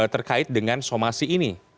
terkait dengan somasi ini